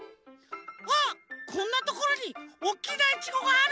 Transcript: あっこんなところにおっきなイチゴがある！